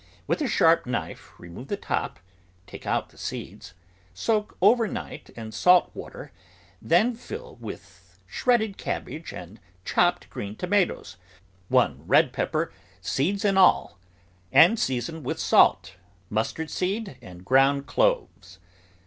With a sharp knife remove the top, take out the seeds, soak over night in salt water, then fill with shredded cabbage and chopped green tomatoes, one red pepper, seeds and all, and season with salt, mustard seed, and ground cloves.